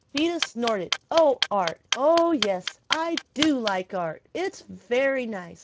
Vida snorted, "Oh. Art. Oh yes. I do like art. It's very nice.